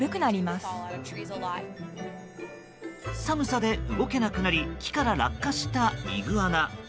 寒さで動けなくなり木から落下したイグアナ。